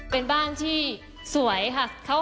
เป็นบ้านที่สวยค่ะ